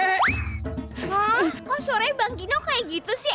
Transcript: hah kok suaranya bang gino kayak gitu sih